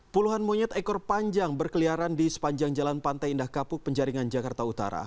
puluhan monyet ekor panjang berkeliaran di sepanjang jalan pantai indah kapuk penjaringan jakarta utara